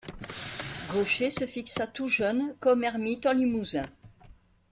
Gaucher se fixa tout jeune comme ermite en Limousin.